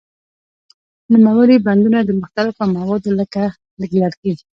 نوموړي بندونه د مختلفو موادو لکه لرګي.